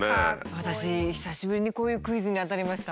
私久しぶりにこういうクイズに当たりました。